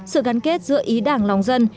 sự gắn kết giữa ý đảng lòng dân